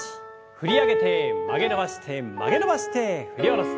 振り上げて曲げ伸ばして曲げ伸ばして振り下ろす。